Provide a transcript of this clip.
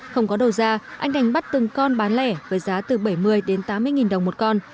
không có đầu ra anh đánh bắt từng con bán lẻ với giá từ bảy mươi đến tám mươi nghìn đồng một con